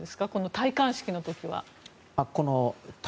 戴冠式の時は。